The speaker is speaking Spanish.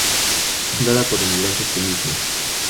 Fue fundada por emigrantes fenicios.